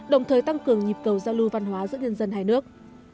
đồng thời tăng cường nhịp cầu giao lưu văn hóa giữa nhân dân hai nước